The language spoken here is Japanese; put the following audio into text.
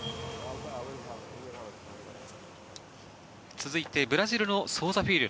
続いてブラジルのソウザ・フィーリョ。